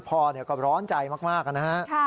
พ่อก็ร้อนใจมากนะฮะ